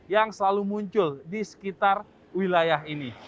yang selalu muncul di sekitar wilayah ini